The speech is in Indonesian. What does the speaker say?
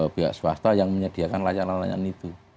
biaswasta yang menyediakan layanan layanan itu